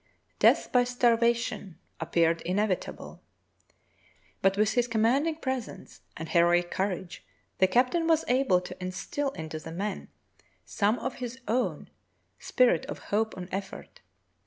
Death by starvation appeared inevitable, but with his commanding presence and heroic courage the cap tain was able to instil into the men some of his own spirit of hope and effort.